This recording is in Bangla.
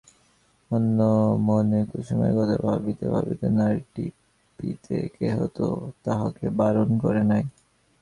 অন্যমনে কুসুমের কথা ভাবিতে ভাবিতে নাড়ি টিপিতে কেহ তো তাহাকে বারণ করে নাই!